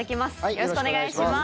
よろしくお願いします。